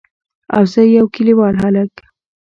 او زه يو کليوال هلک.